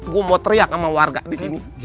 gue mau teriak sama warga di sini